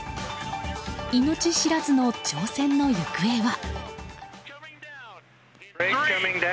命知らずの挑戦の行方は。